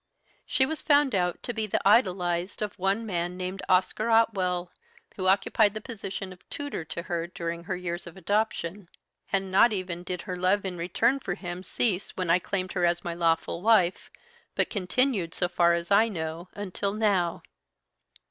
"She was found out to be the idolized of one man named Oscar Otwell, who occupied the position of tutor to her during her years of adoption; and not even did her love in return for him cease when I claimed her as my lawful wife, but continued, so far as I know, until now!